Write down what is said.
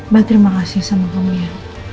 master makasih sama kamu ya